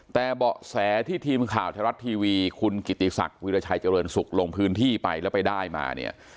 แต่เบาะแสที่ทีมข่าวไทยรัฐทีวีคุณกิติศักดิ์วิราชัยเจริญสุขลงพื้นที่ไปแล้วไปได้มาเนี่ย